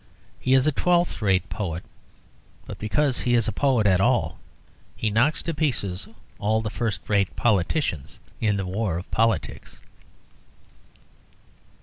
He is a twelfth rate poet, but because he is a poet at all he knocks to pieces all the first rate politicians in the war of politics.